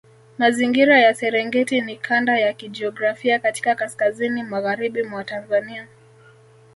Mazingira ya Serengeti ni kanda ya kijiografia katika kaskazini magharibi mwa Tanzania